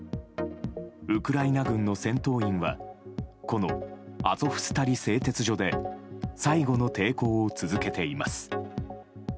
ウクライナ軍の戦闘員はこのアゾフスタリ製鉄所で最後の抵抗を続けています。